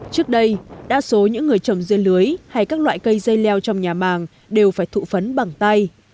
trước đây đa số những người trồng dưa lưới hay các loại cây dây leo trong nhà màng đều phải thụ phấn bằng tay